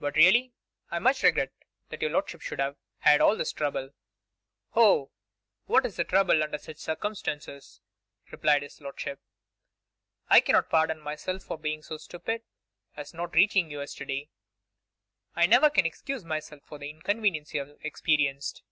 'But really I much regret that your lordship should have had all this trouble.' 'Oh! what is trouble under such circumstances!' replied his lordship. 'I cannot pardon myself for being so stupid as not reaching you yesterday. I never can excuse myself for the inconvenience you have experienced.